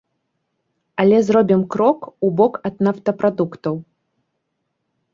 Але зробім крок убок ад нафтапрадуктаў.